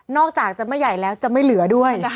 อกจากจะไม่ใหญ่แล้วจะไม่เหลือด้วย